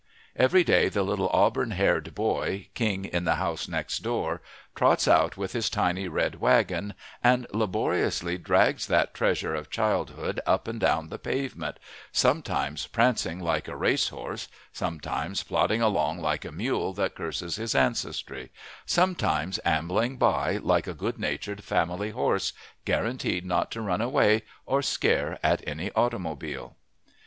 Every day the little auburn haired boy king in the House Next Door trots out with his tiny red wagon and laboriously drags that treasure of childhood up and down the pavement sometimes prancing like a race horse, sometimes plodding along like a mule that curses his ancestry, sometimes ambling by like a good natured family horse, guaranteed not to run away or scare at an automobile!